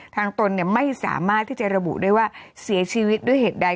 ตนไม่สามารถที่จะระบุได้ว่าเสียชีวิตด้วยเหตุใด